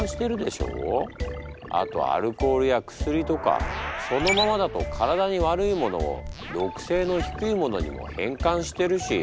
あとアルコールや薬とかそのままだと体に悪いものを毒性の低いものにも変換してるし。